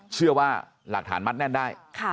เชื่อว่าหลักฐานมัดแน่นได้